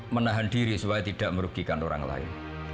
menahan diri supaya tidak merugikan orang lain